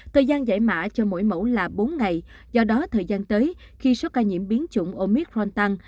thời gian giải mã cho mỗi mẫu là bốn ngày do đó thời gian tới khi số ca nhiễm biến chủng omithron tăng